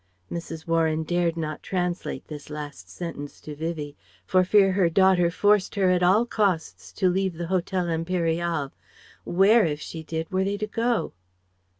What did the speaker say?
Mrs. Warren dared not translate this last sentence to Vivie, for fear her daughter forced her at all costs to leave the Hotel Impérial. Where, if she did, were they to go?